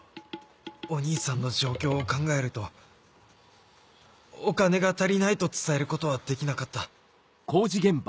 お義兄さんの状況を考えるとお金が足りないと伝えることはできなかった